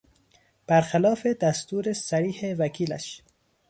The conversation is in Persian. برخلاف دستور صریح وکیلش